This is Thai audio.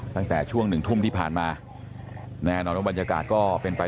ตั้งแต่ช่วงหนึ่งทุ่มที่ผ่านมาแน่นอนว่าบรรยากาศก็เป็นไป